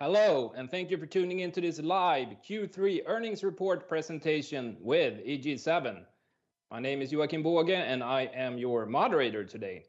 Hello, and thank you for tuning in to this live Q3 Earnings Report Presentation with EG7. My name is Joakim Boge, and I am your moderator today.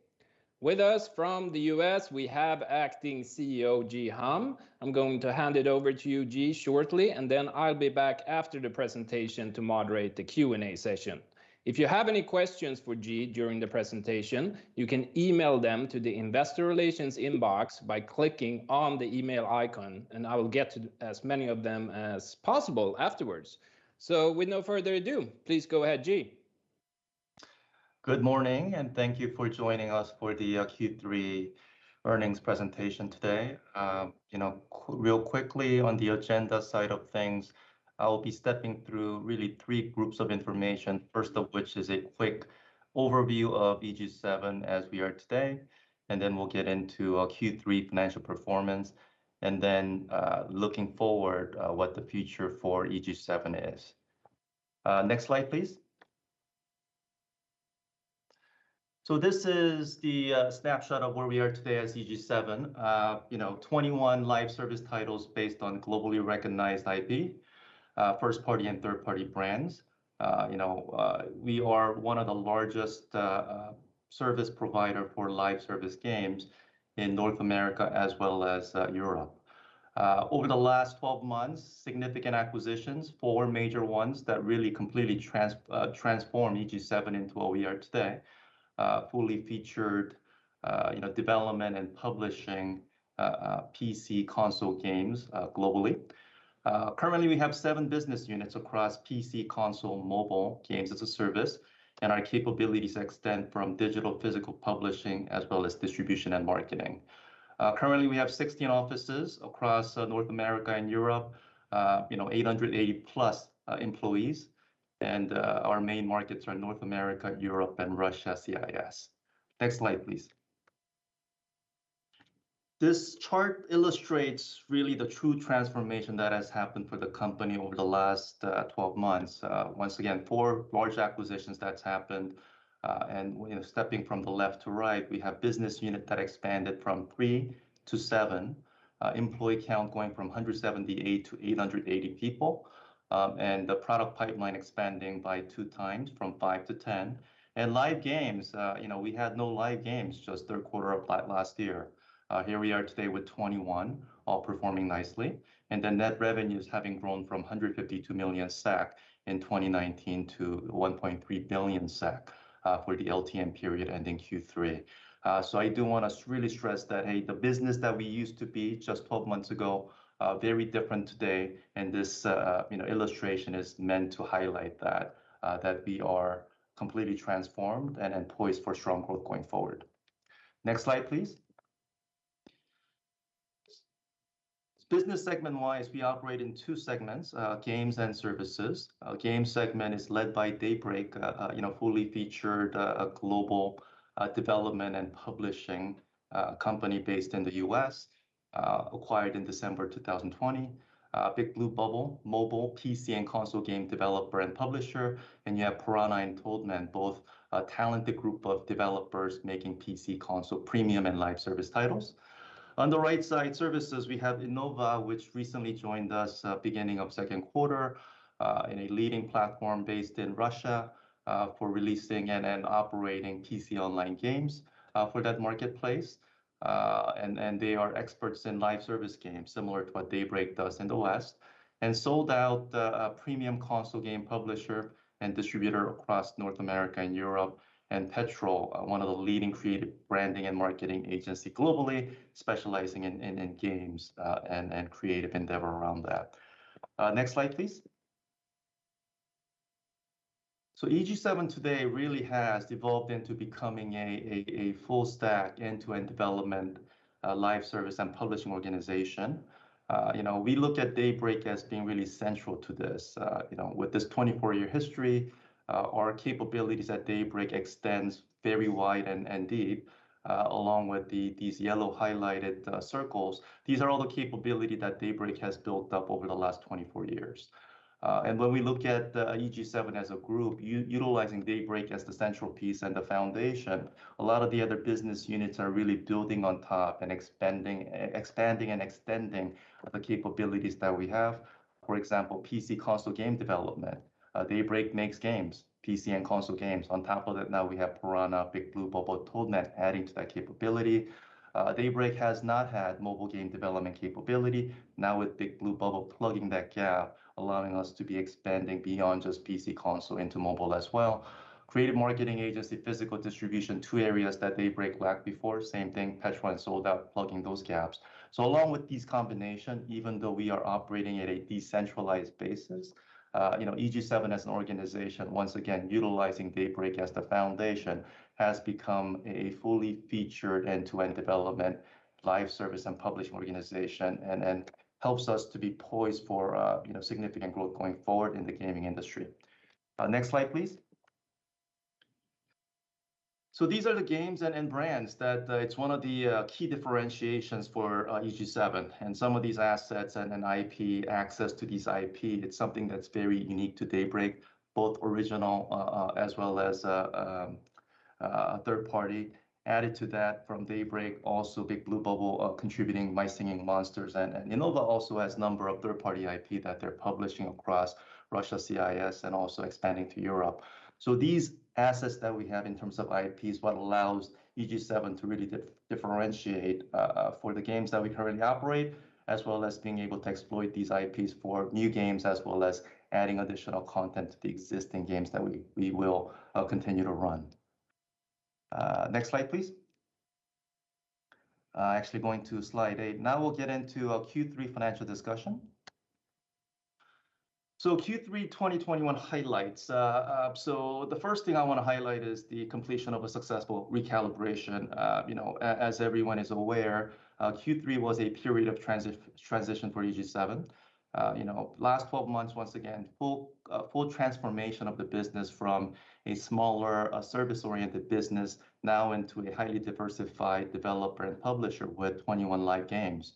With us from the U.S., we have Acting CEO, Ji Ham. I'm going to hand it over to you, Ji, shortly, and then I'll be back after the presentation to moderate the Q&A session. If you have any questions for Ji during the presentation, you can email them to the investor relations inbox by clicking on the email icon, and I will get to as many of them as possible afterwards. With no further ado, please go ahead, Ji. Good morning, and thank you for joining us for the Q3 earnings presentation today. You know, real quickly on the agenda side of things, I'll be stepping through really three groups of information, first of which is a quick overview of EG7 as we are today, and then we'll get into our Q3 financial performance, and then, looking forward, what the future for EG7 is. Next slide, please. This is the snapshot of where we are today as EG7. You know, 21 live service titles based on globally recognized IP, first party and third party brands. You know, we are one of the largest service provider for live service games in North America as well as Europe. Over the last 12 months, significant acquisitions, four major ones that really completely transformed EG7 into what we are today, fully featured, you know, development and publishing, PC console games, globally. Currently, we have seven business units across PC console mobile games as a service, and our capabilities extend from digital physical publishing, as well as distribution and marketing. Currently we have 16 offices across, North America and Europe, you know, 880-plus employees, and, our main markets are North America, Europe, and Russia, CIS. Next slide, please. This chart illustrates really the true transformation that has happened for the company over the last 12 months. Once again, four large acquisitions that's happened, and, you know, stepping from the left to right, we have business unit that expanded from three to seven, employee count going from 178-880 people, and the product pipeline expanding by 2x from five to 10. Live games, you know, we had no live games just third quarter of last year. Here we are today with 21, all performing nicely, and the net revenues having grown from 152 million SEK in 2019 to 1.3 billion SEK for the LTM period ending Q3. I do want to really stress that, hey, the business that we used to be just 12 months ago, very different today, and this, you know, illustration is meant to highlight that we are completely transformed and poised for strong growth going forward. Next slide, please. Business segment-wise, we operate in two segments, Games and Services. Games segment is led by Daybreak, you know, fully featured, global, development and publishing, company based in the U.S., acquired in December 2020. Big Blue Bubble, mobile PC, and console game developer and publisher, and you have Piranha and Toadman, both a talented group of developers making PC console premium and live service titles. On the right side, services, we have Innova, which recently joined us, beginning of second quarter, in a leading platform based in Russia, for releasing and operating PC online games, for that marketplace. They are experts in live service games, similar to what Daybreak does in the West. Sold Out, premium console game publisher and distributor across North America and Europe, and Petrol, one of the leading creative branding and marketing agency globally, specializing in games, and creative endeavor around that. Next slide please. EG7 today really has evolved into becoming a full-stack end-to-end development, live service and publishing organization. You know, we look at Daybreak as being really central to this. You know, with this 24-year history, our capabilities at Daybreak extends very wide and deep, along with the, these yellow highlighted circles. These are all the capability that Daybreak has built up over the last 24 years. When we look at EG7 as a group, utilizing Daybreak as the central piece and the foundation, a lot of the other business units are really building on top and expanding and extending the capabilities that we have. For example, PC console game development. Daybreak makes games, PC and console games. On top of that, now we have Piranha, Big Blue Bubble, Toadman adding to that capability. Daybreak has not had mobile game development capability. Now with Big Blue Bubble plugging that gap, allowing us to be expanding beyond just PC console into mobile as well. Creative marketing agency, physical distribution, two areas that Daybreak lacked before, same thing, Petrol and Sold Out plugging those gaps. Along with these combination, even though we are operating at a decentralized basis, you know, EG7 as an organization, once again, utilizing Daybreak as the foundation, has become a fully featured end-to-end development live service and publishing organization, and helps us to be poised for, you know, significant growth going forward in the gaming industry. Next slide please. These are the games and brands that it's one of the key differentiations for EG7. Some of these assets and then IP, access to these IP, it's something that's very unique to Daybreak, both original, as well as a third party added to that from Daybreak, also Big Blue Bubble contributing My Singing Monsters, and Innova also has a number of third-party IP that they're publishing across Russia, CIS, and also expanding to Europe. These assets that we have in terms of IPs what allows EG7 to really differentiate for the games that we currently operate, as well as being able to exploit these IPs for new games, as well as adding additional content to the existing games that we will continue to run. Next slide, please. Actually going to slide eight. Now we'll get into our Q3 financial discussion. Q3 2021 highlights. The first thing I wanna highlight is the completion of a successful recalibration. You know, as everyone is aware, Q3 was a period of transition for EG7. You know, last 12 months, once again, full transformation of the business from a smaller service-oriented business now into a highly diversified developer and publisher with 21 live games.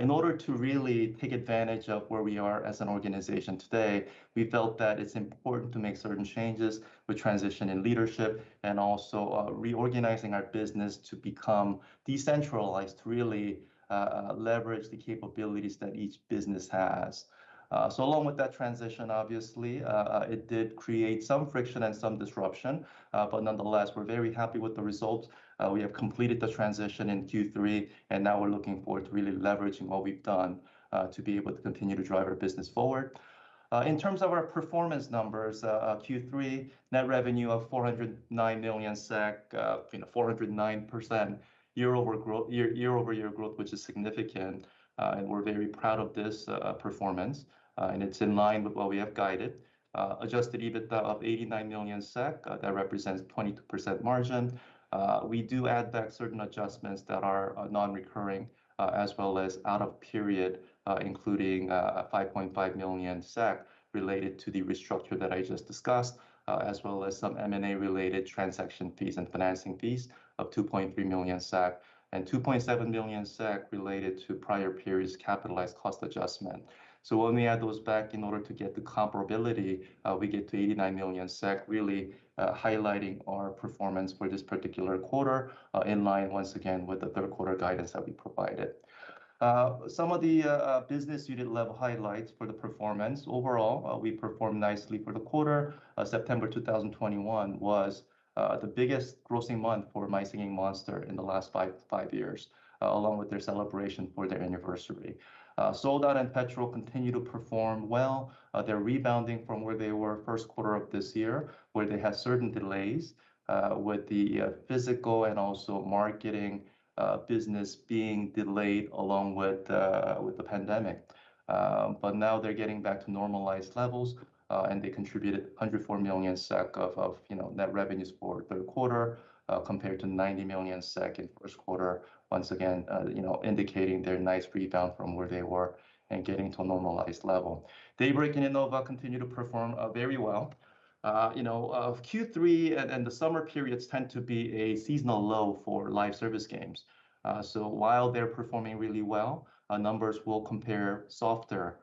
In order to really take advantage of where we are as an organization today, we felt that it's important to make certain changes with transition in leadership, and also reorganizing our business to become decentralized to really leverage the capabilities that each business has. Along with that transition, obviously, it did create some friction and some disruption, but nonetheless, we're very happy with the results. We have completed the transition in Q3, and now we're looking forward to really leveraging what we've done, to be able to continue to drive our business forward. In terms of our performance numbers, Q3 net revenue of 409 million SEK, you know, 409% year-over-year growth, which is significant, and we're very proud of this performance, and it's in line with what we have guided. Adjusted EBITDA of 89 million SEK, that represents 22% margin. We do add back certain adjustments that are non-recurring, as well as out of period, including 5.5 million SEK related to the restructure that I just discussed, as well as some M&A-related transaction fees and financing fees of 2.3 million SEK, and 2.7 million SEK related to prior periods' capitalized cost adjustment. When we add those back in order to get the comparability, we get to 89 million SEK, really highlighting our performance for this particular quarter, in line once again with the third quarter guidance that we provided. Some of the business unit level highlights for the performance. Overall, we performed nicely for the quarter. September 2021 was the biggest grossing month for My Singing Monsters in the last five years, along with their celebration for their anniversary. Sold Out and Petrol continue to perform well. They're rebounding from where they were first quarter of this year, where they had certain delays with the physical and also marketing business being delayed along with the pandemic. But now they're getting back to normalized levels, and they contributed 104 million SEK of, you know, net revenues for third quarter, compared to 90 million SEK in first quarter. Once again, you know, indicating their nice rebound from where they were and getting to a normalized level. Daybreak and Innova continue to perform very well. You know, Q3 and the summer periods tend to be a seasonal low for live service games. So while they're performing really well, numbers will compare softer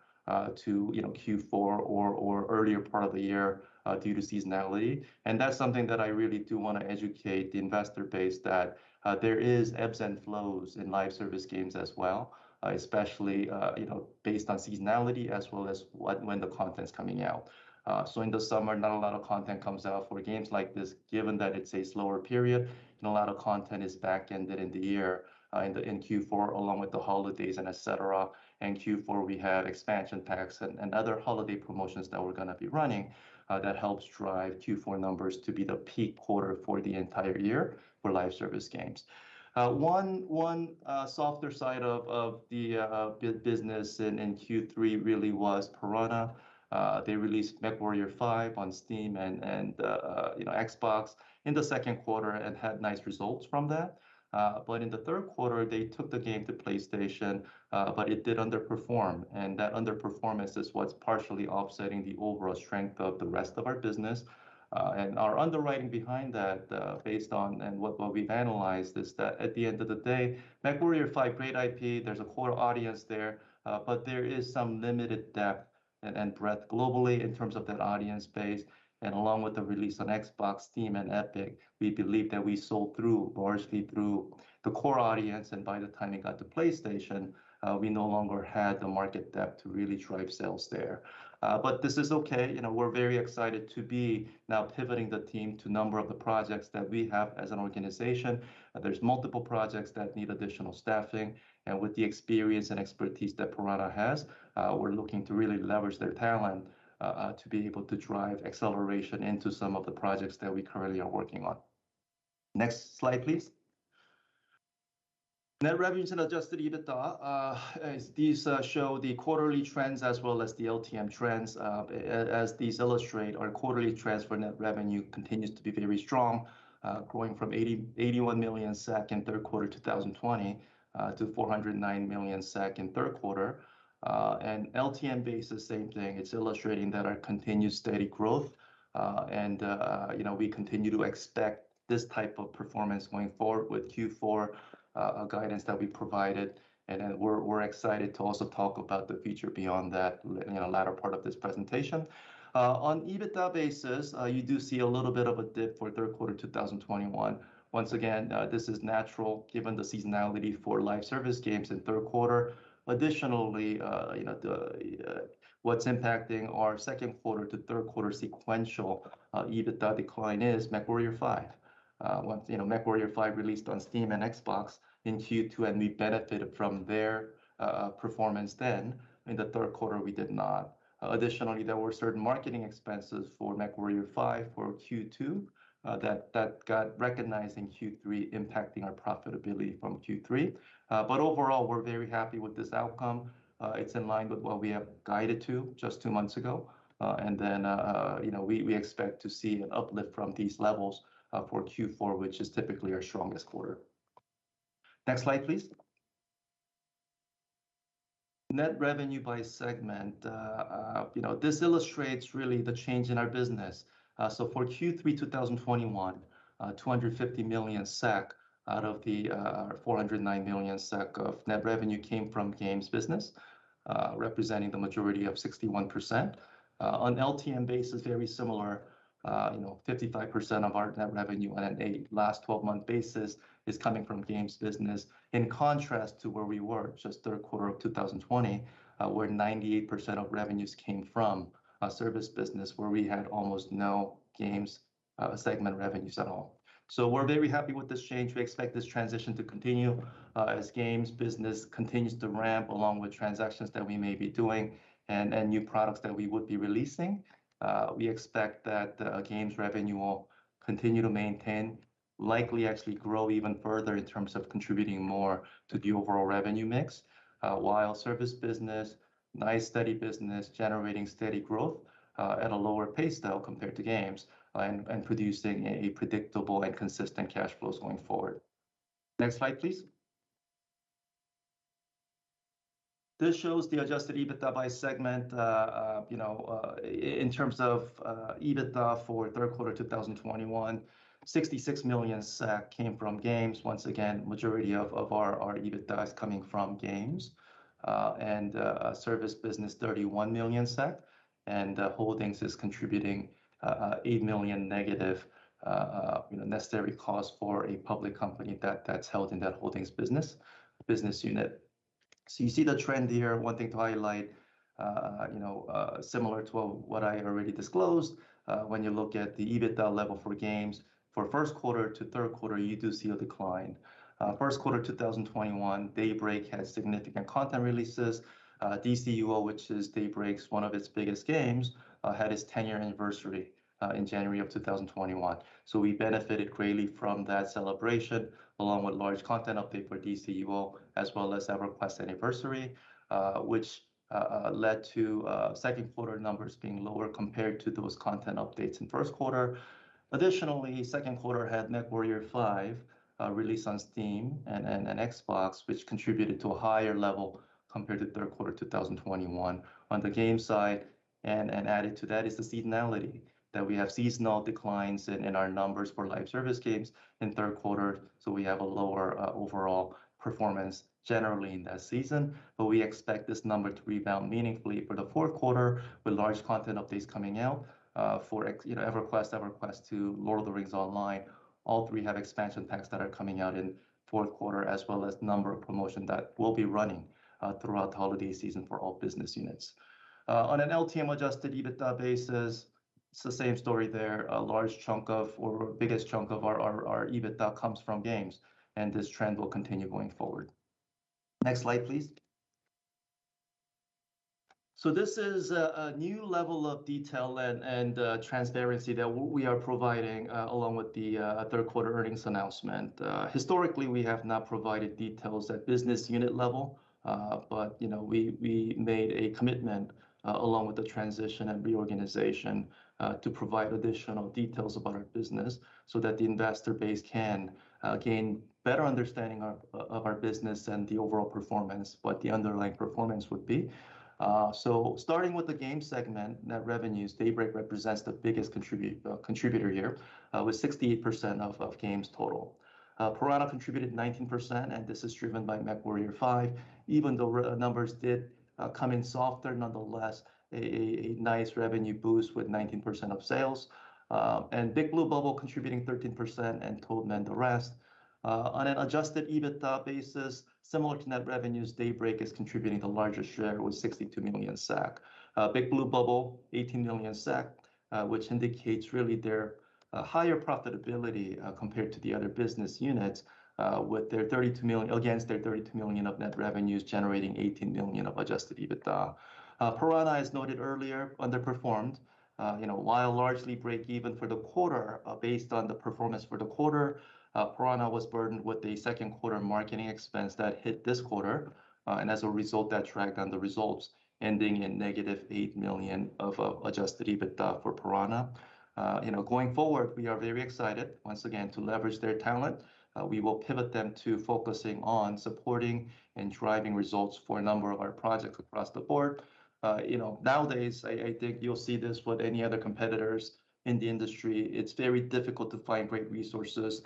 to you know, Q4 or earlier part of the year due to seasonality. That's something that I really do wanna educate the investor base that there is ebbs and flows in live service games as well, especially you know, based on seasonality as well as when the content's coming out. So in the summer, not a lot of content comes out for games like this, given that it's a slower period, and a lot of content is back-ended in the year in Q4 along with the holidays and et cetera. In Q4, we have expansion packs and other holiday promotions that we're gonna be running that helps drive Q4 numbers to be the peak quarter for the entire year for live service games. One softer side of the business in Q3 really was Piranha. They released MechWarrior 5 on Steam and you know Xbox in the second quarter and had nice results from that. In the third quarter, they took the game to PlayStation, but it did underperform, and that underperformance is what's partially offsetting the overall strength of the rest of our business. Our underwriting behind that, based on what we've analyzed is that at the end of the day, MechWarrior 5, great IP, there's a core audience there, but there is some limited depth and breadth globally in terms of that audience base. Along with the release on Xbox, Steam, and Epic, we believe that we sold through, largely through the core audience, and by the time it got to PlayStation, we no longer had the market depth to really drive sales there. This is okay. You know, we're very excited to be now pivoting the team to a number of the projects that we have as an organization. There's multiple projects that need additional staffing, and with the experience and expertise that Piranha has, we're looking to really leverage their talent, to be able to drive acceleration into some of the projects that we currently are working on. Next slide, please. Net revenues and adjusted EBITDA, as these show the quarterly trends as well as the LTM trends. As these illustrate, our quarterly trends for net revenue continues to be very strong, growing from 81 million SEK in third quarter 2020 to 409 million SEK in third quarter. And LTM basis, same thing. It's illustrating that our continued steady growth, and, you know, we continue to expect this type of performance going forward with Q4 guidance that we provided. We're excited to also talk about the future beyond that you know, latter part of this presentation. On EBITDA basis, you do see a little bit of a dip for third quarter 2021. Once again, this is natural given the seasonality for live service games in third quarter. Additionally, you know, what's impacting our second quarter to third quarter sequential EBITDA decline is MechWarrior 5. Once you know, MechWarrior 5 released on Steam and Xbox in Q2, and we benefited from their performance then. In the third quarter, we did not. Additionally, there were certain marketing expenses for MechWarrior 5 for Q2 that got recognized in Q3, impacting our profitability from Q3. Overall, we're very happy with this outcome. It's in line with what we have guided to just two months ago. You know, we expect to see an uplift from these levels for Q4, which is typically our strongest quarter. Next slide, please. Net revenue by segment. You know, this illustrates really the change in our business. For Q3 2021, 250 million SEK out of the 409 million SEK of net revenue came from Games business, representing the majority of 61%. On LTM basis, very similar, you know, 55% of our net revenue on a last twelve-month basis is coming from Games business, in contrast to where we were just third quarter of 2020, where 98% of revenues came from a Service business where we had almost no Games segment revenues at all. We're very happy with this change. We expect this transition to continue, as Games business continues to ramp along with transactions that we may be doing and new products that we would be releasing. We expect that Games revenue will continue to maintain, likely actually grow even further in terms of contributing more to the overall revenue mix. While Service business, nice steady business generating steady growth, at a lower pace though compared to Games and producing a predictable and consistent cash flows going forward. Next slide, please. This shows the adjusted EBITDA by segment. You know, in terms of EBITDA for third quarter 2021, 66 million came from Games. Once again, majority of our EBITDA is coming from Games. Service business, 31 million SEK, and Holdings is contributing 8 million-, you know, necessary cost for a public company that's held in that Holdings business unit. You see the trend here. One thing to highlight, you know, similar to what I already disclosed, when you look at the EBITDA level for Games, for first quarter to third quarter, you do see a decline. First quarter 2021, Daybreak had significant content releases. DCUO, which is Daybreak's one of its biggest games, had its 10-year anniversary in January 2021. We benefited greatly from that celebration, along with large content update for DCUO, as well as EverQuest Anniversary, which led to second quarter numbers being lower compared to those content updates in first quarter. Additionally, second quarter had MechWarrior 5 released on Steam and Xbox, which contributed to a higher level compared to third quarter 2021 on the Games side. Added to that is the seasonality, that we have seasonal declines in our numbers for live service games in third quarter, so we have a lower overall performance generally in that season. We expect this number to rebound meaningfully for the fourth quarter with large content updates coming out for, you know, EverQuest II, Lord of the Rings Online. All three have expansion packs that are coming out in fourth quarter, as well as a number of promotion that we'll be running throughout the holiday season for all business units. On an LTM adjusted EBITDA basis, it's the same story there. A large chunk of our biggest chunk of our EBITDA comes from Games, and this trend will continue going forward. Next slide, please. This is a new level of detail and transparency that we are providing along with the third quarter earnings announcement. Historically, we have not provided details at business unit level, but you know, we made a commitment along with the transition and reorganization to provide additional details about our business so that the investor base can gain better understanding of our business and the overall performance, what the underlying performance would be. Starting with the Games segment, net revenues, Daybreak represents the biggest contributor here with 68% of Games total. Piranha contributed 19%, and this is driven by MechWarrior 5. Even though our numbers did come in softer, nonetheless, a nice revenue boost with 19% of sales. Big Blue Bubble contributing 13%, and Toadman the rest. On an adjusted EBITDA basis, similar to net revenues, Daybreak is contributing the largest share with 62 million. Big Blue Bubble, 18 million, which indicates really their higher profitability compared to the other business units, with their 32 million against their 32 million of net revenues generating 18 million of adjusted EBITDA. Piranha, as noted earlier, underperformed. You know, while largely break even for the quarter, based on the performance for the quarter, Piranha was burdened with a second quarter marketing expense that hit this quarter. As a result, that dragged on the results, ending in -8 million of adjusted EBITDA for Piranha. You know, going forward, we are very excited once again to leverage their talent. We will pivot them to focusing on supporting and driving results for a number of our projects across the board. You know, nowadays, I think you'll see this with any other competitors in the industry, it's very difficult to find great resources.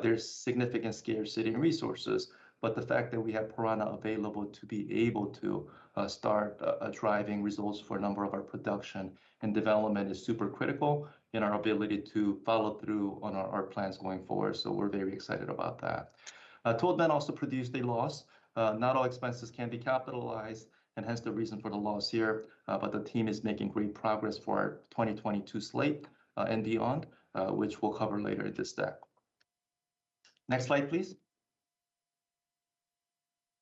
There's significant scarcity in resources. The fact that we have Piranha available to be able to start driving results for a number of our production, and development is super critical in our ability to follow through on our plans going forward. We're very excited about that. Toadman also produced a loss. Not all expenses can be capitalized, and hence the reason for the loss here. The team is making great progress for our 2022 slate and beyond, which we'll cover later in this deck. Next slide, please.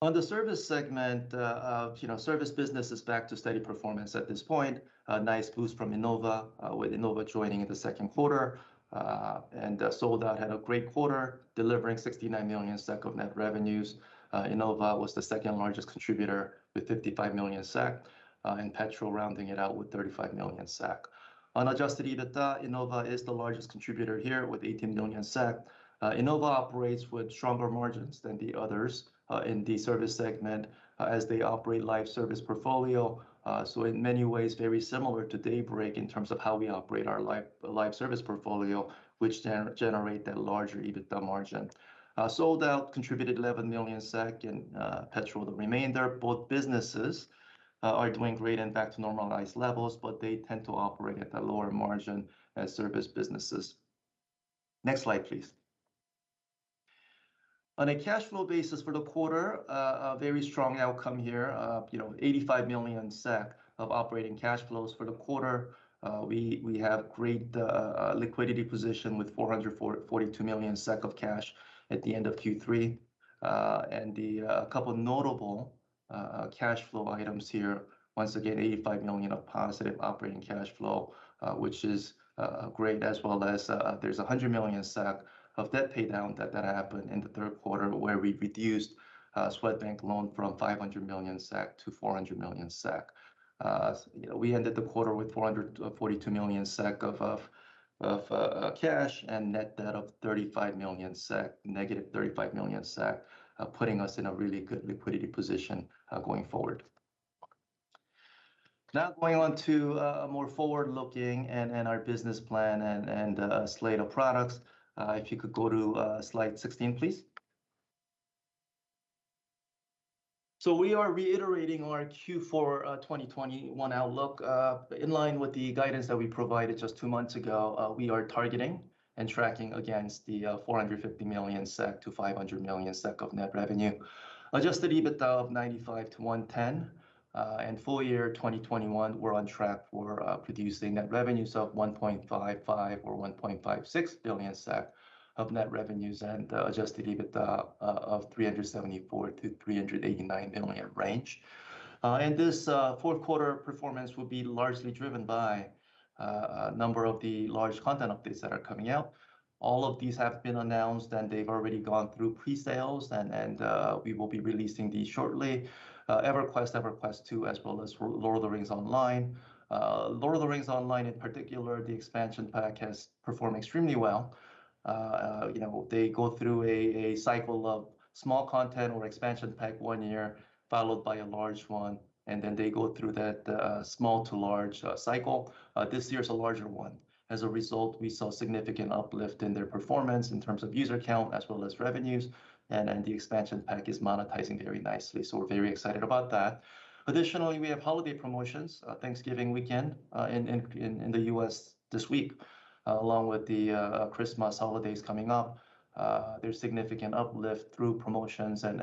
On the service segment, you know, service business is back to steady performance at this point. A nice boost from Innova, with Innova joining in the second quarter. Sold Out had a great quarter, delivering 69 million SEK of net revenues. Innova was the second largest contributor with 55 million SEK, and Petrol rounding it out with 35 million SEK. On adjusted EBITDA, Innova is the largest contributor here with 18 million SEK. Innova operates with stronger margins than the others in the service segment, as they operate live service portfolio. In many ways, very similar to Daybreak in terms of how we operate our live service portfolio, which generate that larger EBITDA margin. Sold Out contributed 11 million and Petrol the remainder. Both businesses are doing great and back to normalized levels, but they tend to operate at a lower margin as service businesses. Next slide, please. On a cash flow basis for the quarter, a very strong outcome here. You know, 85 million SEK of operating cash flows for the quarter. We have great liquidity position with 442 million SEK of cash at the end of Q3. A couple notable cash flow items here, once again, 85 million of positive operating cash flow, which is great, as well as there's 100 million of debt pay down that happened in the third quarter where we reduced a Swedbank loan from 500 million SEK to 400 million SEK. You know, we ended the quarter with 442 million SEK of cash, and net debt of 35 million SEK, -35 million SEK, putting us in a really good liquidity position going forward. Now going on to more forward-looking and our business plan and slate of products. If you could go to slide 16, please. We are reiterating our Q4 2021 outlook. In line with the guidance that we provided just 2 months ago, we are targeting and tracking against the 450 million-500 million SEK of net revenue. Adjusted EBITDA of 95-110. Full year 2021, we're on track for producing net revenues of 1.55 billion, or 1.56 billion SEK of net revenues and adjusted EBITDA of 374 million-389 million range. This fourth quarter performance will be largely driven by a number of the large content updates that are coming out. All of these have been announced, and they've already gone through pre-sales and we will be releasing these shortly. EverQuest II, as well as The Lord of the Rings Online. The Lord of the Rings Online in particular, the expansion pack has performed extremely well. You know, they go through a cycle of small content or expansion pack one year, followed by a large one, and then they go through that small to large cycle. This year's a larger one. As a result, we saw significant uplift in their performance in terms of user count as well as revenues, and the expansion pack is monetizing very nicely. We're very excited about that. Additionally, we have holiday promotions, Thanksgiving weekend, in the U.S. this week, along with the Christmas holidays coming up. There's significant uplift through promotions and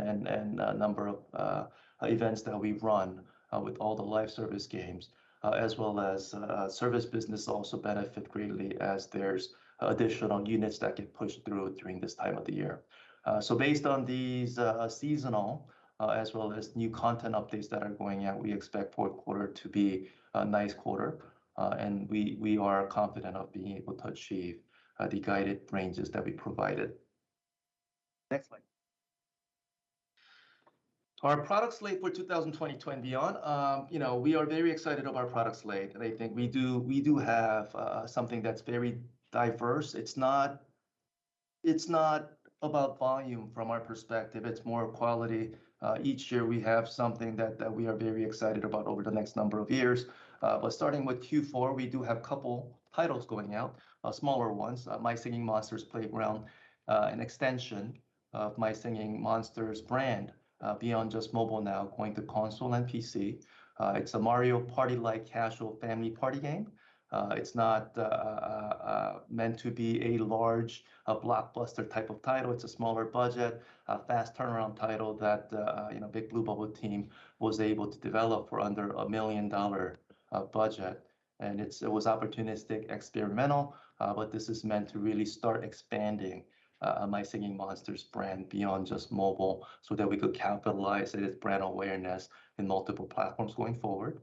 a number of events that we've run with all the live service games. As well as, service business also benefit greatly as there's additional units that get pushed through during this time of the year. Based on these seasonal as well as new content updates that are going out, we expect fourth quarter to be a nice quarter. We are confident of being able to achieve the guided ranges that we provided. Next slide. Our product slate for 2021 and beyond. You know, we are very excited of our product slate. I think we do have something that's very diverse. It's not about volume from our perspective, it's more quality. Each year we have something that we are very excited about over the next number of years. Starting with Q4, we do have couple titles going out, smaller ones. My Singing Monsters Playground, an extension of My Singing Monsters brand, beyond just mobile now, going to console and PC. It's a Mario Party-like casual family party game. It's not meant to be a large, a blockbuster type of title. It's a smaller budget, a fast turnaround title that, you know, Big Blue Bubble team was able to develop for under $1 million budget. It was opportunistic, experimental, but this is meant to really start expanding, My Singing Monsters brand beyond just mobile so that we could capitalize it as brand awareness in multiple platforms going forward.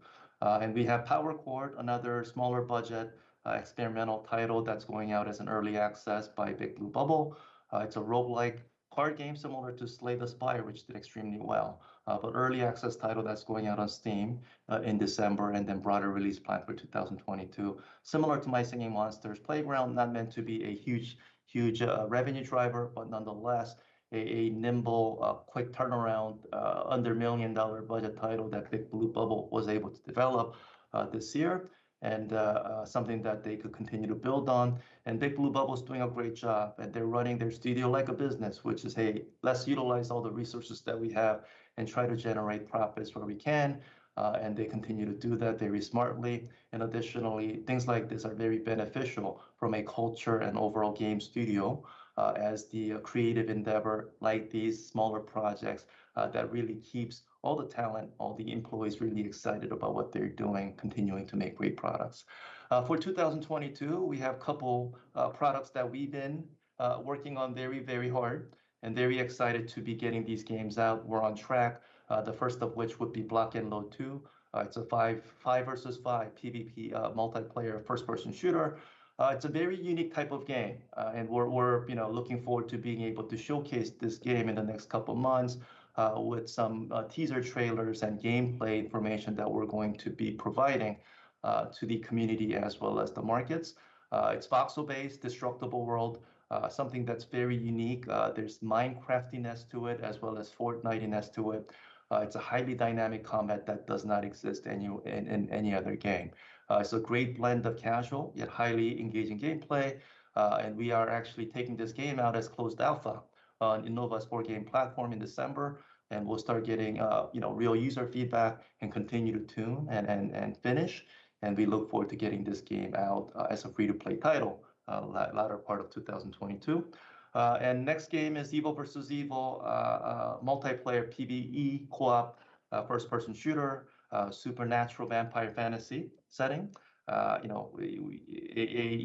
We have Power Chord, another smaller budget, experimental title that's going out as an early access by Big Blue Bubble. It's a roguelike card game similar to Slay the Spire, which did extremely well but early access title that's going out on Steam in December, and then broader release planned for 2022. Similar to My Singing Monsters Playground, not meant to be a huge revenue driver, but nonetheless a nimble quick turnaround under $1 million budget title that Big Blue Bubble was able to develop this year and something that they could continue to build on. Big Blue Bubble's doing a great job, and they're running their studio like a business, which is, "Hey, let's utilize all the resources that we have and try to generate profits where we can." They continue to do that very smartly. Additionally, things like this are very beneficial from a culture and overall game studio, as the creative endeavor like these smaller projects that really keeps all the talent, all the employees really excited about what they're doing, continuing to make great products. For 2022, we have a couple of products that we've been working on very hard and very excited to be getting these games out. We're on track, the first of which would be Block N Load 2. It's a 5v5 PVP multiplayer first-person shooter. It's a very unique type of game, and we're, you know, looking forward to being able to showcase this game in the next couple months, with some teaser trailers and gameplay information that we're going to be providing to the community as well as the markets. It's voxel-based, destructible world, something that's very unique. There's Minecraftiness to it as well as Fortniteness to it. It's a highly dynamic combat that does not exist in any other game. It's a great blend of casual, yet highly engaging gameplay, and we are actually taking this game out as closed alpha on Innova's core game platform in December, and we'll start getting, you know, real user feedback and continue to tune and finish. We look forward to getting this game out as a free-to-play title, latter part of 2022. Next game is EvilVEvil, multiplayer PVE co-op, first-person shooter, supernatural vampire fantasy setting. You know, an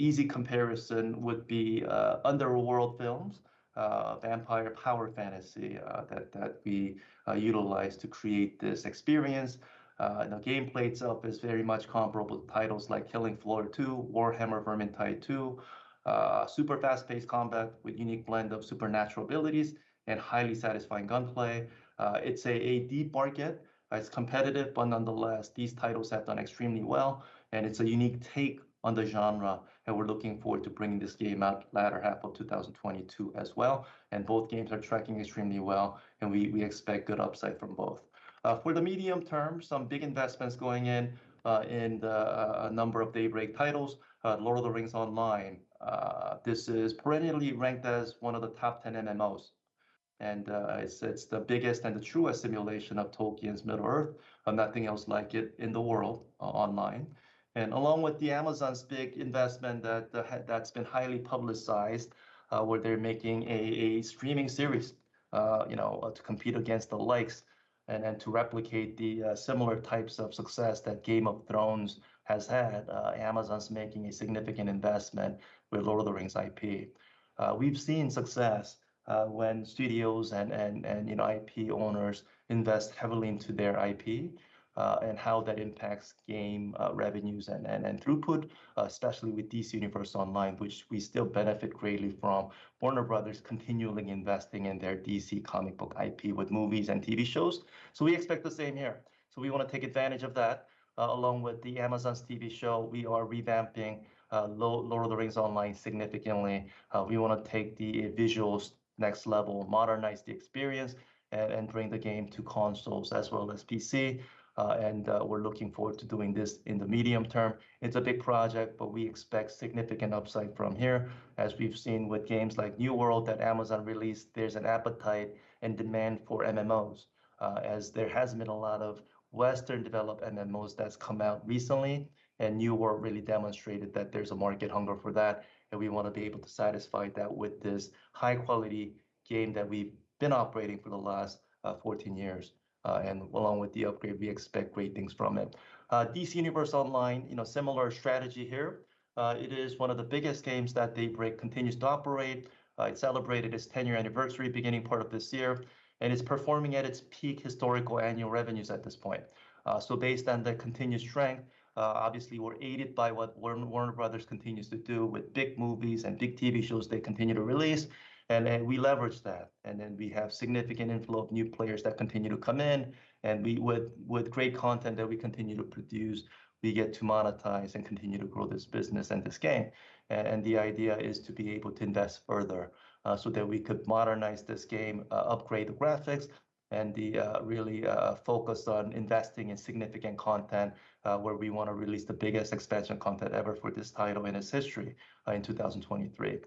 easy comparison would be, Underworld films, vampire power fantasy, that we utilize to create this experience. The gameplay itself is very much comparable to titles like Killing Floor 2, Warhammer: Vermintide 2, super fast-paced combat with unique blend of supernatural abilities and highly satisfying gunplay. It's a deep market. It's competitive, but nonetheless, these titles have done extremely well, and it's a unique take on the genre, and we're looking forward to bringing this game out latter half of 2022 as well. Both games are tracking extremely well, and we expect good upside from both. For the medium term, some big investments going in in a number of Daybreak titles. The Lord of the Rings Online, this is perennially ranked as one of the top 10 MMOs, and it's the biggest and the truest simulation of Tolkien's Middle-earth, and nothing else like it in the world online. Along with Amazon's big investment that's been highly publicized, where they're making a streaming series, you know, to compete against the likes of and to replicate the similar types of success that Game of Thrones has had, Amazon's making a significant investment with Lord of the Rings IP. We've seen success when studios and IP owners invest heavily into their IP, and how that impacts game revenues and throughput, especially with DC Universe Online, which we still benefit greatly from Warner Bros. continually investing in their DC Comics IP with movies and TV shows. We expect the same here. We wanna take advantage of that. Along with Amazon's TV show, we are revamping Lord of the Rings Online significantly. We wanna take the visuals next level, modernize the experience, and bring the game to consoles as well as PC, and we're looking forward to doing this in the medium term. It's a big project, but we expect significant upside from here. As we've seen with games like New World that Amazon released, there's an appetite and demand for MMOs, as there hasn't been a lot of Western developed MMOs that's come out recently, and New World really demonstrated that there's a market hunger for that, and we wanna be able to satisfy that with this high-quality game that we've been operating for the last 14 years. Along with the upgrade, we expect great things from it. DC Universe Online, you know, similar strategy here. It is one of the biggest games that Daybreak continues to operate. It celebrated its ten-year anniversary beginning part of this year, and it's performing at its peak historical annual revenues at this point. Based on the continued strength, obviously we're aided by what Warner Bros. continues to do with big movies and big TV shows they continue to release, and then we leverage that. We have significant inflow of new players that continue to come in, and with great content that we continue to produce, we get to monetize and continue to grow this business and this game. The idea is to be able to invest further, so that we could modernize this game, upgrade the graphics, and really focus on investing in significant content, where we wanna release the biggest expansion content ever for this title in its history, in 2023.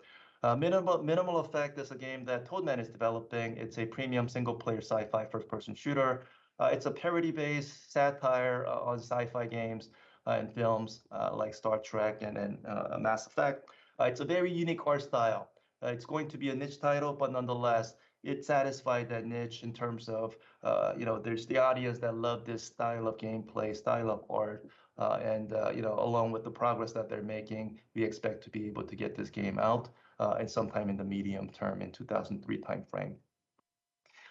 Minimal Affect is a game that Toadman is developing. It's a premium single-player sci-fi first-person shooter. It's a parody-based satire on sci-fi games and films like Star Trek and then Mass Effect. It's a very unique art style. It's going to be a niche title, but nonetheless, it satisfied that niche in terms of, you know, there's the audience that love this style of gameplay, style of art, and, you know, along with the progress that they're making, we expect to be able to get this game out in some time in the medium term, in 2023 timeframe.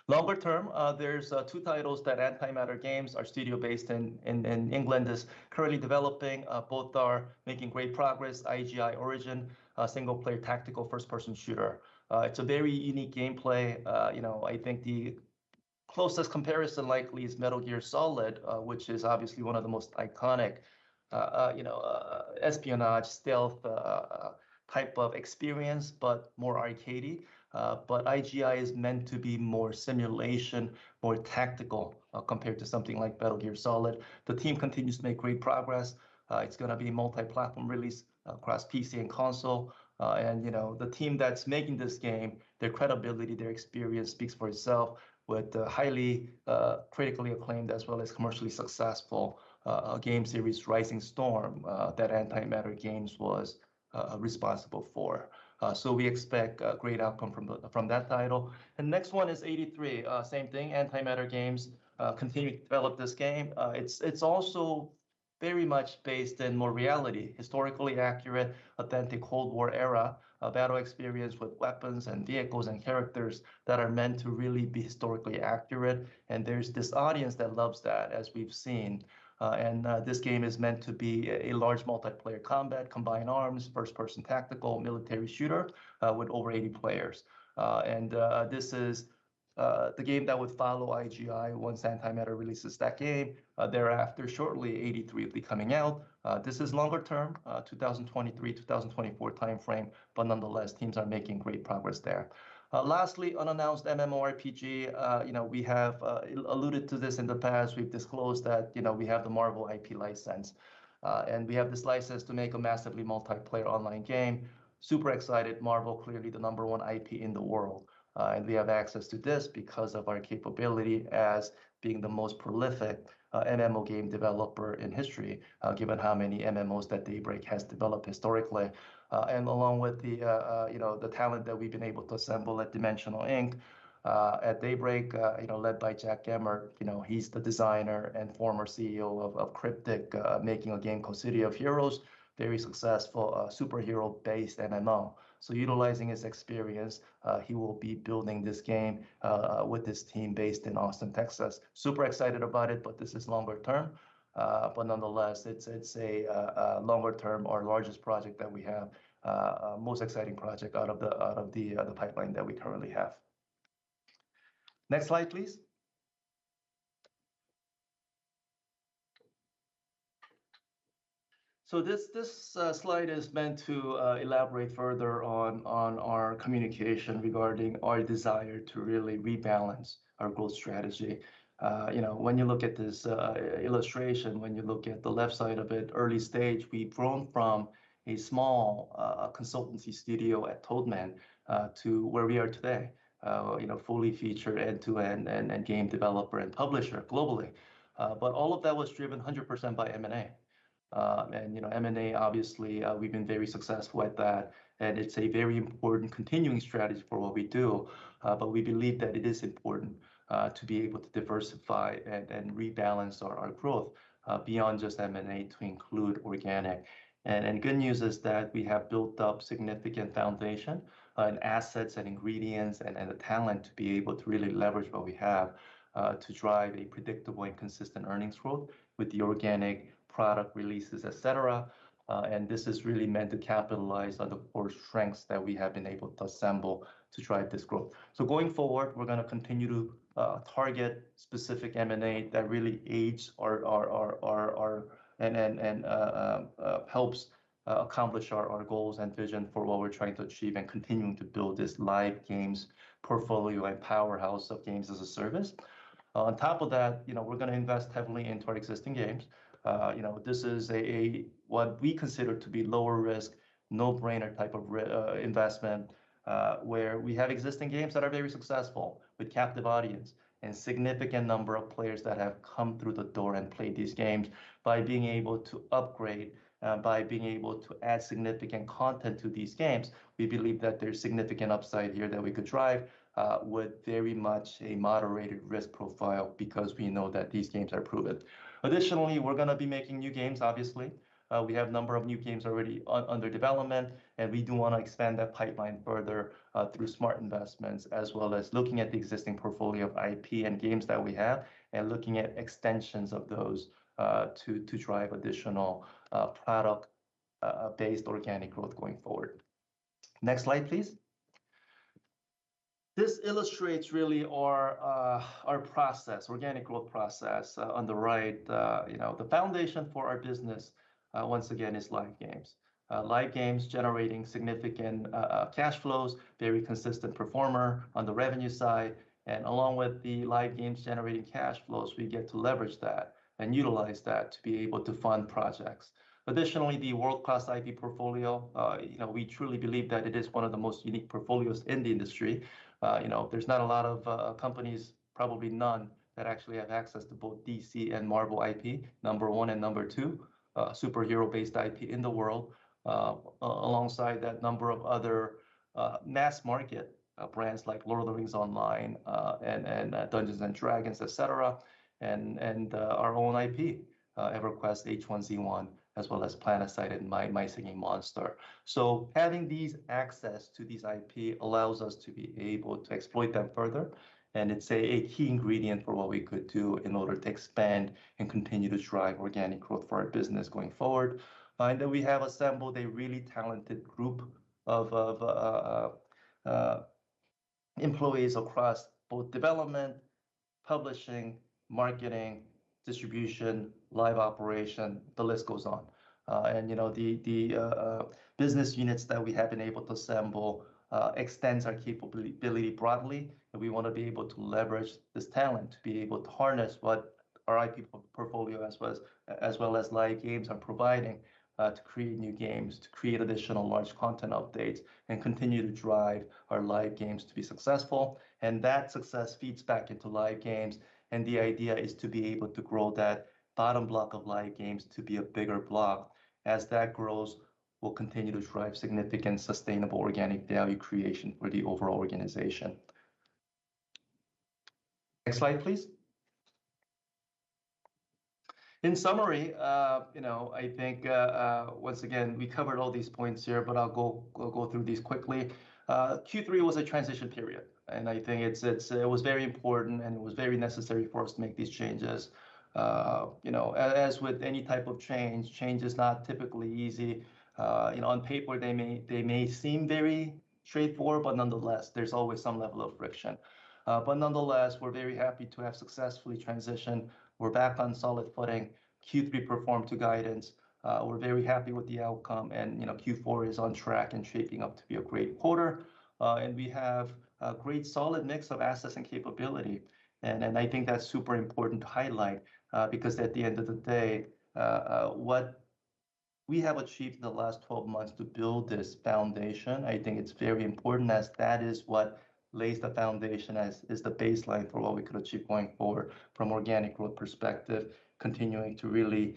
Longer term, there's two titles that Antimatter Games, our studio based in England, is currently developing. Both are making great progress. I.G.I. Origins, a single-player tactical first-person shooter. It's a very unique gameplay. You know, I think the closest comparison likely is Metal Gear Solid, which is obviously one of the most iconic, you know, espionage, stealth type of experience, but more arcadey. I.G.I. is meant to be more simulation, more tactical, compared to something like Metal Gear Solid. The team continues to make great progress. It's gonna be multi-platform release across PC and console. You know, the team that's making this game, their credibility, their experience speaks for itself with the highly critically acclaimed as well as commercially successful game series, Rising Storm, that Antimatter Games was responsible for. We expect a great outcome from that title. The next one is '83. Same thing, Antimatter Games, continuing to develop this game. It's also very much based in more reality, historically accurate, authentic Cold War era, a battle experience with weapons and vehicles and characters that are meant to really be historically accurate. There's this audience that loves that, as we've seen. This game is meant to be a large multiplayer combat, combined arms, first-person tactical military shooter with over 80 players. This is the game that would follow I.G.I. once Antimatter releases that game. Thereafter, shortly, '83 will be coming out. This is longer term, 2023, 2024 timeframe, but nonetheless, teams are making great progress there. Lastly, unannounced MMORPG. You know, we have alluded to this in the past. We've disclosed that, you know, we have the Marvel IP license. We have this license to make a massively multiplayer online game. Super excited. Marvel, clearly the number one IP in the world. We have access to this because of our capability as being the most prolific MMO game developer in history, given how many MMOs that Daybreak has developed historically. Along with the, you know, the talent that we've been able to assemble at Dimensional Ink, at Daybreak, you know, led by Jack Emmert, you know, he's the designer and former CEO of Cryptic, making a game called City of Heroes, very successful, superhero-based MMO. Utilizing his experience, he will be building this game with his team based in Austin, Texas. Super excited about it, but this is longer term. Nonetheless, it's a longer term, our largest project that we have, most exciting project out of the pipeline that we currently have. Next slide, please. This slide is meant to elaborate further on our communication regarding our desire to really rebalance our growth strategy. You know, when you look at this illustration, when you look at the left side of it, early stage, we've grown from a small consultancy studio at Toadman to where we are today, you know, fully-featured end-to-end and game developer and publisher globally. All of that was driven 100% by M&A. You know, M&A, obviously, we've been very successful at that, and it's a very important continuing strategy for what we do. We believe that it is important to be able to diversify and rebalance our growth beyond just M&A to include organic. Good news is that we have built up significant foundation and assets and ingredients and the talent to be able to really leverage what we have to drive a predictable and consistent earnings growth with the organic product releases, et cetera. This is really meant to capitalize on the core strengths that we have been able to assemble to drive this growth. Going forward, we're gonna continue to target specific M&A that really aids our and helps accomplish our goals and vision for what we're trying to achieve and continuing to build this live games portfolio and powerhouse of Games as a Service. On top of that, you know, we're gonna invest heavily into our existing games. You know, this is a what we consider to be lower risk, no-brainer type of investment, where we have existing games that are very successful with captive audience and significant number of players that have come through the door and played these games. By being able to upgrade, by being able to add significant content to these games, we believe that there's significant upside here that we could drive, with very much a moderated risk profile because we know that these games are proven. Additionally, we're gonna be making new games, obviously. We have number of new games already under development, and we do wanna expand that pipeline further, through smart investments, as well as looking at the existing portfolio of IP and games that we have and looking at extensions of those, to drive additional product-based organic growth-going forward. Next slide, please. This illustrates really our process, organic growth process, on the right, you know. The foundation for our business, once again, is live games. Live games generating significant cash flows, very consistent performer on the revenue side, and along with the live games generating cash flows, we get to leverage that and utilize that to be able to fund projects. Additionally, the world-class IP portfolio, you know, we truly believe that it is one of the most unique portfolios in the industry. You know, there's not a lot of companies, probably none, that actually have access to both DC and Marvel IP, number one and number two, superhero based IP in the world, alongside that number of other mass market brands like Lord of the Rings Online, and Dungeons & Dragons, et cetera, and our own IP, EverQuest, H1Z1, as well as PlanetSide and My Singing Monsters. Having these access to these IP allows us to be able to exploit them further, and it's a key ingredient for what we could do in order to expand and continue to drive organic growth for our business going forward. We have assembled a really talented group of employees across both development, publishing, marketing, distribution, live operation, the list goes on. You know, the business units that we have been able to assemble extends our capability broadly, and we wanna be able to leverage this talent to be able to harness what our IP portfolio as well as live games are providing to create new games, to create additional large content updates, and continue to drive our live games to be successful. That success feeds back into live games, and the idea is to be able to grow that bottom block of live games to be a bigger block. As that grows, we'll continue to drive significant sustainable organic value creation for the overall organization. Next slide, please. In summary, you know, I think, once again, we covered all these points here, but I'll go through these quickly. Q3 was a transition period, and I think it was very important, and it was very necessary for us to make these changes. You know, as with any type of change is not typically easy. You know, on paper they may seem very straightforward, but nonetheless, there's always some level of friction. Nonetheless, we're very happy to have successfully transitioned. We're back on solid footing. Q3 performed to guidance. We're very happy with the outcome, and you know, Q4 is on track and shaping up to be a great quarter. We have a great solid mix of assets and capability and I think that's super important to highlight, because at the end of the day, what we have achieved in the last 12 months to build this foundation. I think it's very important as that is what lays the foundation, as is the baseline for what we could achieve going forward from organic growth perspective, continuing to really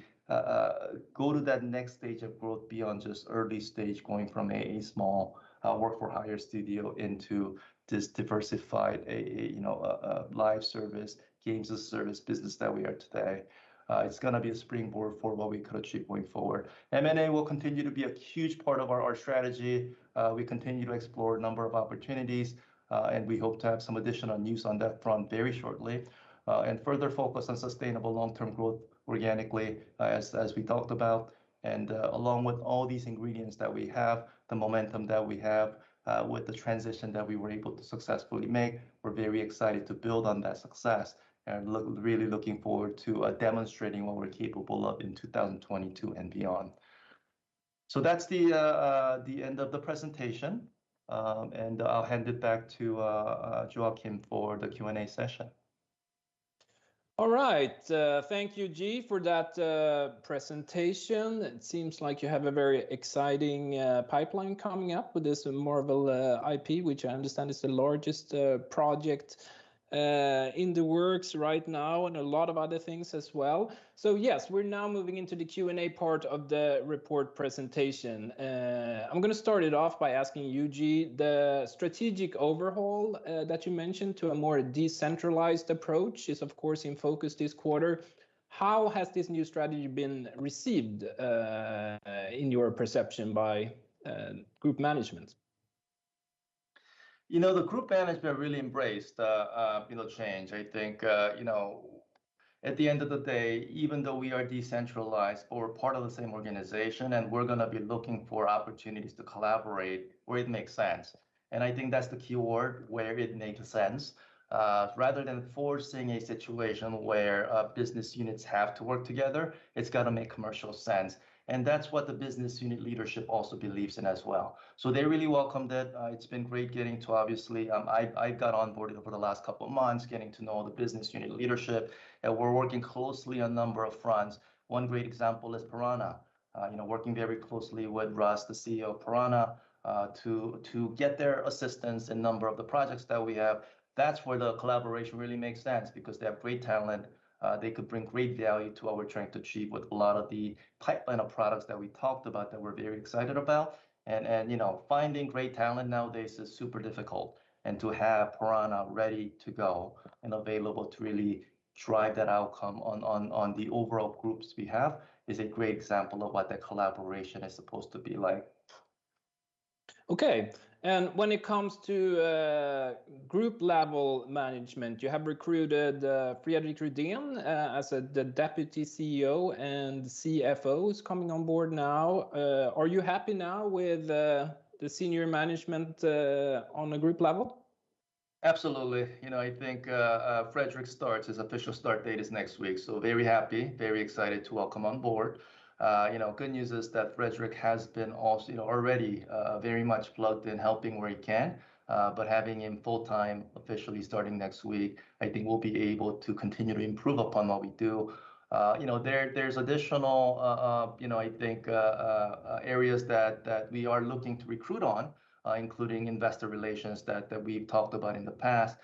go to that next stage of growth beyond just early stage, going from a small work for hire studio into this diversified, you know, a live service, games as service business that we are today. It's gonna be a springboard for what we could achieve going forward. M&A will continue to be a huge part of our strategy. We continue to explore a number of opportunities, and we hope to have some additional news on that front very shortly and further focus on sustainable long-term growth organically, as we talked about. Along with all these ingredients that we have, the momentum that we have, with the transition that we were able to successfully make, we're very excited to build on that success, and looking forward to demonstrating what we're capable of in 2022 and beyond. That's the end of the presentation, and I'll hand it back to Joakim for the Q&A session. All right. Thank you Ji for that presentation. It seems like you have a very exciting pipeline coming up with this Marvel IP, which I understand is the largest project in the works right now, and a lot of other things as well. Yes, we're now moving into the Q&A part of the report presentation. I'm gonna start it off by asking you, Ji, the strategic overhaul that you mentioned to a more decentralized approach is, of course, in focus this quarter. How has this new strategy been received, in your perception by group management? You know, the group management really embraced you know, change. I think you know, at the end of the day, even though we are decentralized or part of the same organization, and we're gonna be looking for opportunities to collaborate where it makes sense. I think that's the key word, where it makes sense. Rather than forcing a situation where business units have to work together, it's gotta make commercial sense. That's what the business unit leadership also believes in as well. They really welcome that. It's been great. I've got onboarded over the last couple of months getting to know the business unit leadership, and we're working closely on a number of fronts. One great example is Piranha. You know, working very closely with Russ, the CEO of Piranha, to get their assistance in a number of the projects that we have. That's where the collaboration really makes sense because they have great talent. They could bring great value to what we're trying to achieve with a lot of the pipeline of products that we talked about, that we're very excited about. You know, finding great talent nowadays is super difficult, and to have Piranha ready to go and available to really drive that outcome on the overall group we have is a great example of what that collaboration is supposed to be like. Okay. When it comes to group level management, you have recruited Fredrik Rüdén as the Deputy CEO, and CFO is coming on board now. Are you happy now with the senior management on a group level? Absolutely. You know, I think Fredrik starts, his official start date is next week, so very happy, very excited to welcome on board. You know, good news is that Fredrik has been also, you know, already very much plugged in, helping where he can. Having him full-time officially starting next week, I think we'll be able to continue to improve upon what we do. You know, there's additional, you know, I think areas that we are looking to recruit on, including investor relations that we've talked about in the past.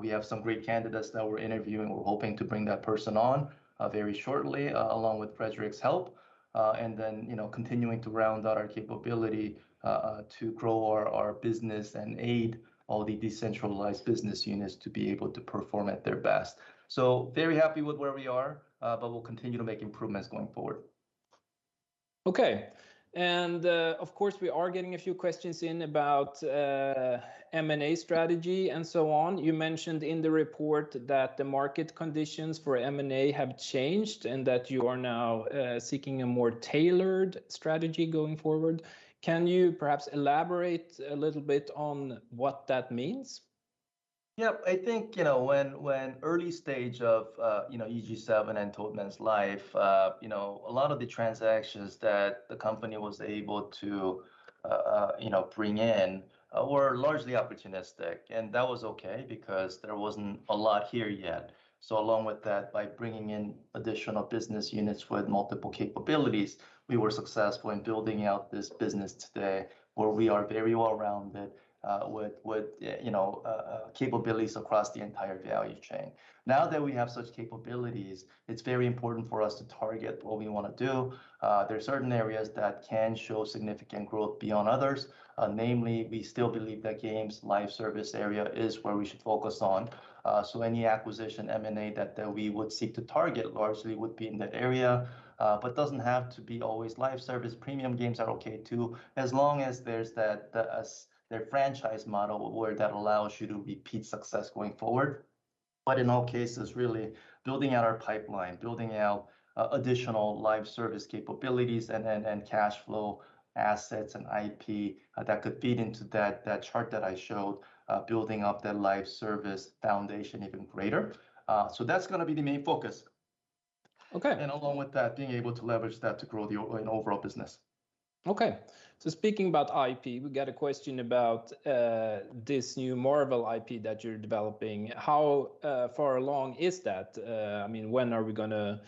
We have some great candidates that we're interviewing. We're hoping to bring that person on very shortly, along with Fredrik's help. You know, continuing to round out our capability to grow our business and aid all the decentralized business units to be able to perform at their best. Very happy with where we are, but we'll continue to make improvements going forward. Okay. Of course, we are getting a few questions in about M&A strategy and so on. You mentioned in the report that the market conditions for M&A have changed, and that you are now seeking a more tailored strategy going forward. Can you perhaps elaborate a little bit on what that means? Yeah. I think, you know, when early stage of EG7 and Toadman's life, you know, a lot of the transactions that the company was able to, you know, bring in were largely opportunistic, and that was okay because there wasn't a lot here yet. Along with that, by bringing in additional business units with multiple capabilities, we were successful in building out this business today where we are very well-rounded, with you know, capabilities across the entire value chain. Now that we have such capabilities, it's very important for us to target what we wanna do. There are certain areas that can show significant growth beyond others. Namely, we still believe that games live service area is where we should focus on. Any acquisition M&A that we would seek to target largely would be in the area. Doesn't have to be always live service. Premium games are okay too, as long as there's their franchise model where that allows you to repeat success going forward. In all cases, really building out our pipeline, building out additional live service capabilities, and cash flow assets and IP that could feed into that chart that I showed, building up that live service foundation even greater. That's gonna be the main focus. Okay. Along with that, being able to leverage that to grow the overall business. Okay. Speaking about IP, we got a question about this new Marvel IP that you're developing. How far along is that? I mean, when are we gonna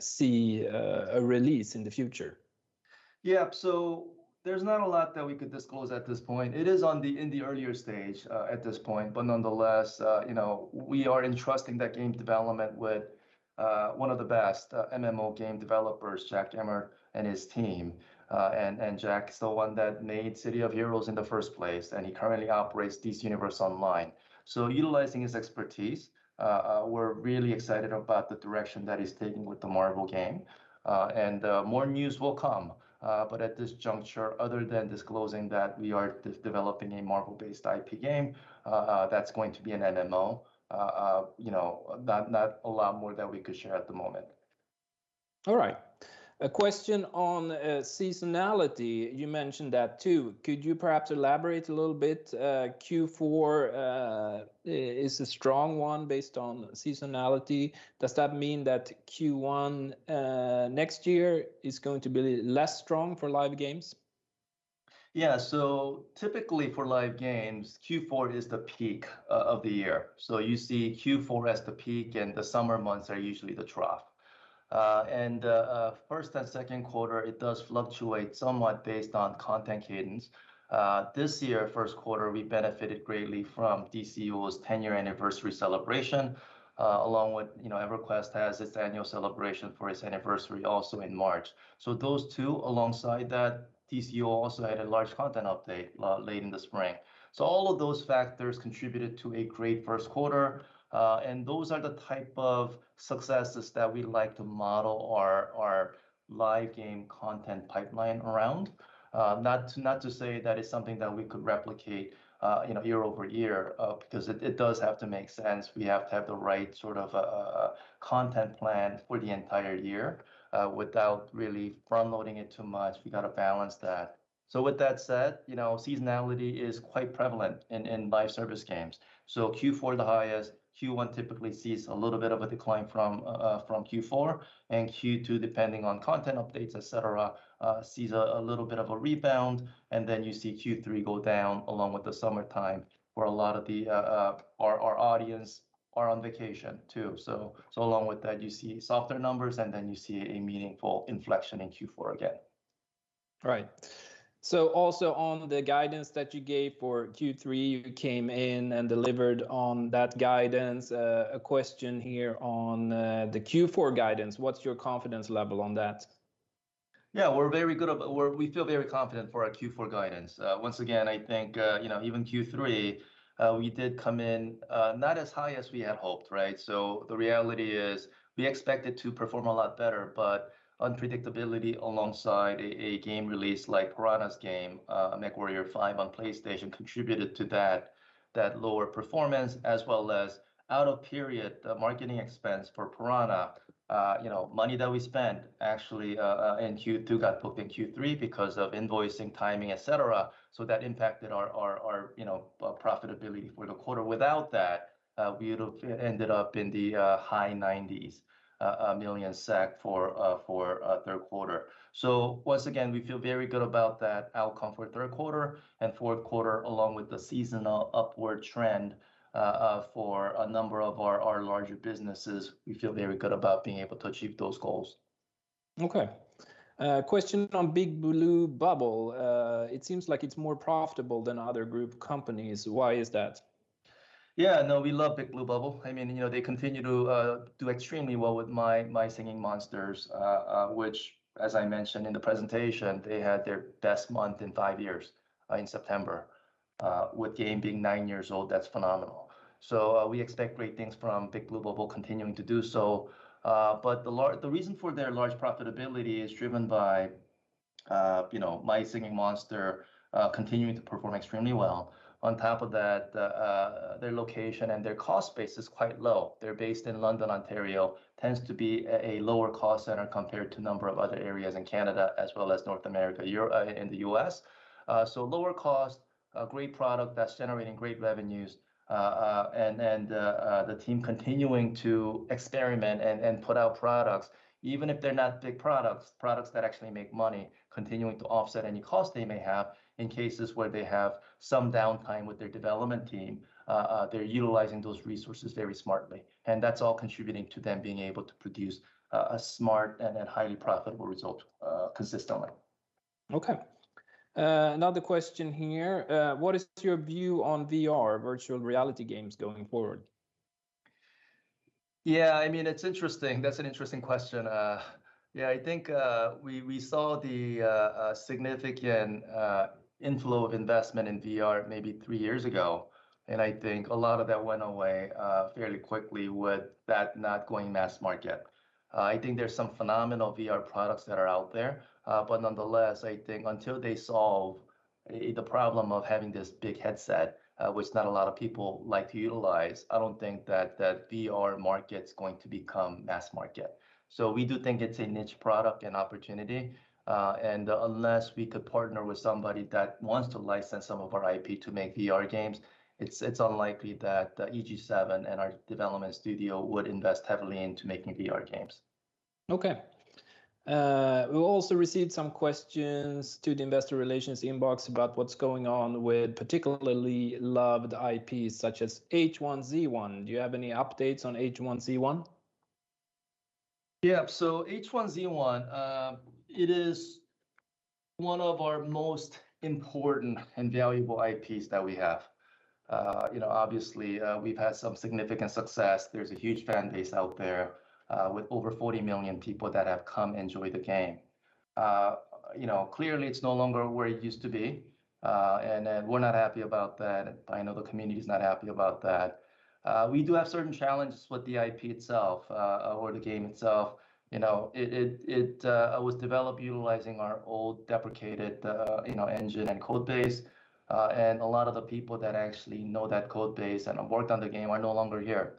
see a release in the future? Yeah. There's not a lot that we could disclose at this point. It is in the earlier stage at this point, but nonetheless, you know, we are entrusting that game development with one of the best MMO game developers, Jack Emmert, and his team. Jack's the one that made City of Heroes in the first place, and he currently operates DC Universe Online. Utilizing his expertise, we're really excited about the direction that he's taking with the Marvel game. More news will come. At this juncture, other than disclosing that we are developing a Marvel-based IP game, that's going to be an MMO, you know, not a lot more that we could share at the moment. All right. A question on seasonality. You mentioned that too. Could you perhaps elaborate a little bit? Q4 is a strong one based on seasonality. Does that mean that Q1 next year is going to be less strong for live games? Yeah. Typically for live games, Q4 is the peak of the year. You see Q4 as the peak, and the summer months are usually the trough. First and second quarter, it does fluctuate somewhat based on content cadence. This year, first quarter, we benefited greatly from DCUO's 10-year anniversary celebration, along with, you know, EverQuest has its annual celebration for its anniversary also in March. Those two, alongside that, DCUO also had a large content update late in the spring. All of those factors contributed to a great first quarter, and those are the type of successes that we like to model our live game content pipeline around. Not to say that it's something that we could replicate, you know, year-over-year, because it does have to make sense. We have to have the right sort of content plan for the entire year without really front-loading it too much. We gotta balance that. With that said, you know, seasonality is quite prevalent in live service games. Q4 the highest. Q1 typically sees a little bit of a decline from Q4, and Q2, depending on content updates, et cetera, sees a little bit of a rebound. Then you see Q3 go down along with the summertime, where a lot of our audience are on vacation too. Along with that, you see softer numbers, and then you see a meaningful inflection in Q4 again. Right. Also on the guidance that you gave for Q3, you came in and delivered on that guidance. A question here on the Q4 guidance, what's your confidence level on that? Yeah, we're very good. We feel very confident for our Q4 guidance. Once again, I think, you know, even Q3, we did come in not as high as we had hoped, right? The reality is we expected to perform a lot better, but unpredictability alongside a game release like Piranha Games' game, MechWarrior 5 on PlayStation contributed to that lower performance, as well as out-of-period marketing expense for Piranha Games. You know, money that we spent actually in Q2 got booked in Q3 because of invoicing timing, et cetera, so that impacted our profitability for the quarter. Without that, we'd have ended up in the high SEK 90s million for third quarter. Once again, we feel very good about that outcome for third quarter and fourth quarter, along with the seasonal upward trend, for a number of our larger businesses. We feel very good about being able to achieve those goals. Okay. Question from Big Blue Bubble. It seems like it's more profitable than other group companies. Why is that? Yeah, no, we love Big Blue Bubble. I mean, you know, they continue to do extremely well with My Singing Monsters, which as I mentioned in the presentation, they had their best month in five years in September with the game being nine years old. That's phenomenal. We expect great things from Big Blue Bubble continuing to do so. The reason for their large profitability is driven by, you know, My Singing Monsters continuing to perform extremely well. On top of that, their location and their cost base is quite low. They're based in London, Ontario, tends to be a lower-cost center compared to a number of other areas in Canada, as well as North America, Europe, and the U.S. Lower cost, a great product that's generating great revenues, and the team continuing to experiment and put out products, even if they're not big products that actually make money, continuing to offset any cost they may have in cases where they have some downtime with their development team. They're utilizing those resources very smartly, and that's all contributing to them being able to produce a smart and highly profitable result, consistently. Okay. Another question here. What is your view on VR, virtual reality games going forward? Yeah, I mean, it's interesting. That's an interesting question. Yeah, I think we saw the significant inflow of investment in VR maybe three years ago, and I think a lot of that went away fairly quickly with that not going mass market. I think there's some phenomenal VR products that are out there, but nonetheless, I think until they solve the problem of having this big headset, which not a lot of people like to utilize, I don't think that the VR market's going to become mass market. We do think it's a niche product and opportunity, and unless we could partner with somebody that wants to license some of our IP to make VR games, it's unlikely that EG7 and our development studio would invest heavily into making VR games. Okay. We also received some questions to the investor relations inbox about what's going on with particularly loved IPs such as H1Z1. Do you have any updates on H1Z1? Yeah, H1Z1, it is one of our most important and valuable IPs that we have. You know, obviously, we've had some significant success. There's a huge fan base out there with over 40 million people that have come enjoy the game. You know, clearly it's no longer where it used to be, and we're not happy about that. I know the community's not happy about that. We do have certain challenges with the IP itself or the game itself. You know, it was developed utilizing our old deprecated you know, engine and code base, and a lot of the people that actually know that code base and have worked on the game are no longer here.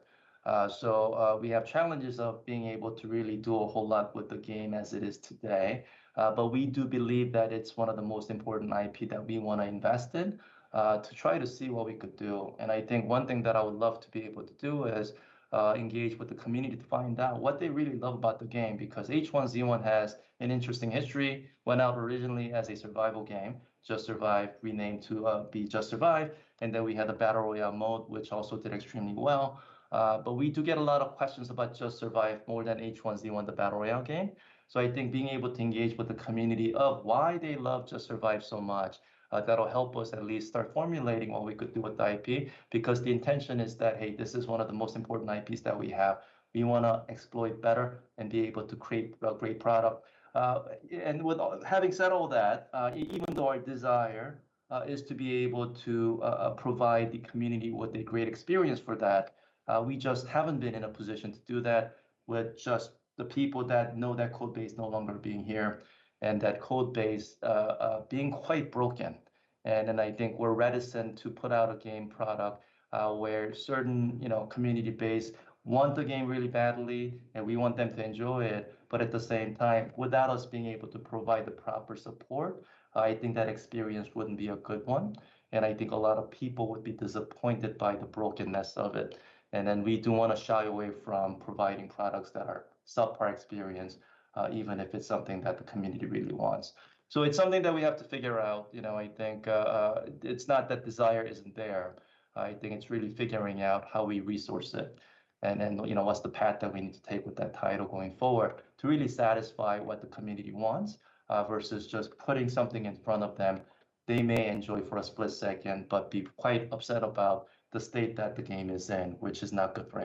We have challenges of being able to really do a whole lot with the game as it is today, but we do believe that it's one of the most important IP that we wanna invest in, to try to see what we could do. I think one thing that I would love to be able to do, is engage with the community to find out what they really love about the game because H1Z1 has an interesting history. It went out originally as a survival game, Just Survive, renamed to Just Survive, and then we had the battle royale mode, which also did extremely well. We do get a lot of questions about Just Survive more than H1Z1, the battle royale game. I think being able to engage with the community of why they love Just Survive so much, that'll help us at least start formulating what we could do with the IP because the intention is that, hey, this is one of the most important IPs that we have. We wanna exploit better and be able to create a great product. Having said all that, even though our desire is to be able to provide the community with a great experience for that, we just haven't been in a position to do that with just the people that know that code base no longer being here, and that code base being quite broken. I think we're reticent to put out a game product, where certain, you know, community base want the game really badly and we want them to enjoy it, but at the same time, without us being able to provide the proper support, I think that experience wouldn't be a good one, and I think a lot of people would be disappointed by the brokenness of it. We don't wanna shy away from providing products that are subpar experience, even if it's something that the community really wants. It's something that we have to figure out. You know, I think, it's not that desire isn't there. I think it's really figuring out how we resource it, and then, you know, what's the path that we need to take with that title going forward to really satisfy what the community wants, versus just putting something in front of them they may enjoy for a split second but be quite upset about the state that the game is in, which is not good for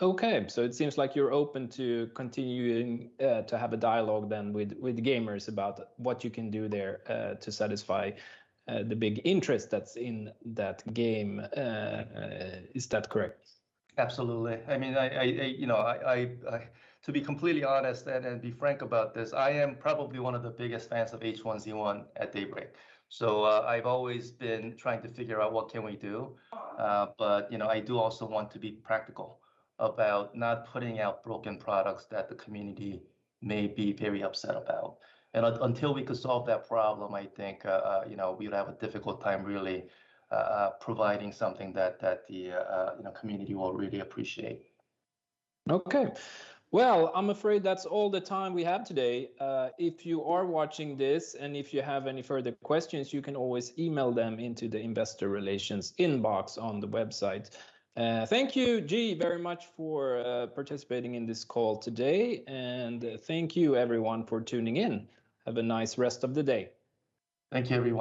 anyone. Okay. It seems like you're open to continuing to have a dialogue then with gamers about what you can do there to satisfy the big interest that's in that game. Is that correct? Absolutely. I mean, you know, to be completely honest and be frank about this, I am probably one of the biggest fans of H1Z1 at Daybreak. I've always been trying to figure out what we can do. You know, I do also want to be practical about not putting out broken products that the community may be very upset about. Until we can solve that problem, I think, you know, we'd have a difficult time really providing something that the you know, community will really appreciate. Okay. Well, I'm afraid that's all the time we have today. If you are watching this and if you have any further questions, you can always email them into the investor relations inbox on the website. Thank you, Ji, very much for participating in this call today, and thank you everyone for tuning in. Have a nice rest of the day. Thank you, everyone.